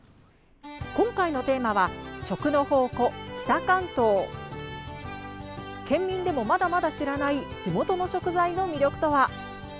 今回のテーマは県民でもまだまだ知らない地元の食材の魅力とは。